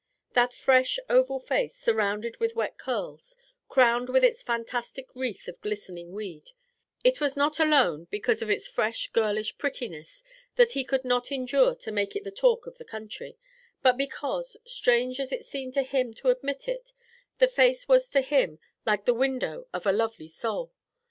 That fresh oval face, surrounded with wet curls, crowned with its fantastic wreath of glistening weed it was not alone because of its fresh girlish prettiness that he could not endure to make it the talk of the country, but because, strange as it seemed to him to admit it, the face was to him like the window of a lovely soul.